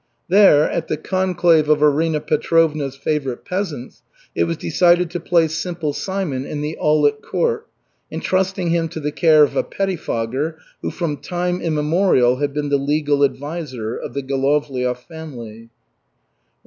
There, at the conclave of Arina Petrovna's favorite peasants, it was decided to place Simple Simon in the Aulic Court, entrusting him to the care of a pettifogger who from time immemorial had been the legal adviser of the Golovliov family.